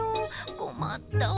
こまったわ。